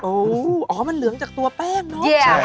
โอ้โหอ๋อมันเหลืองจากตัวแป้งเนอะ